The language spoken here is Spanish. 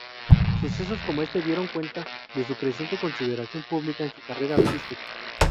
Sucesos como este dieron cuenta de su creciente consideración pública en su carrera artística.